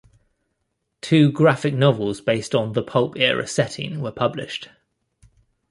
Two graphic novels based on the Pulp era setting were published.